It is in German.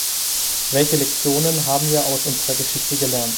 Welche Lektionen haben wir aus unserer Geschichte gelernt?